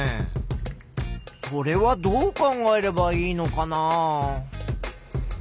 これはどう考えればいいのかなあ？